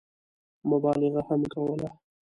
مبالغه هم کوله.